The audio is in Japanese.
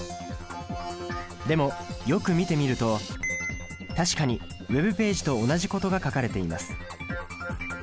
でもよく見てみると確かにＷｅｂページと同じことが書かれています。